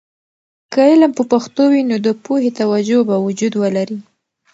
که علم په پښتو وي، نو د پوهې توجه به وجود ولري.